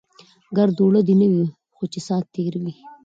ګړد وړه دی نه وي، خو چې سات تیر وي.